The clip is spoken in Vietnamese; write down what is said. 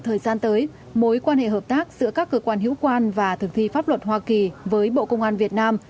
thời gian tới mối quan hệ hợp tác giữa các cơ quan hữu quan và thực thi pháp luật hoa kỳ với bộ công an việt nam